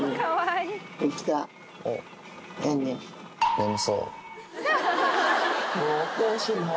眠そう。